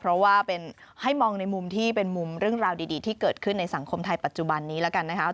เพราะว่าให้มองในมุมที่เป็นมุมเรื่องราวดีที่เกิดขึ้นในสังคมไทยปัจจุบันนี้แล้วกันนะครับ